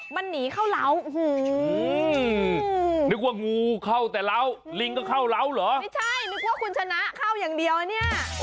ไม่ใช่นึกว่าคุณชนะเข้าอย่างเดียวเนี่ย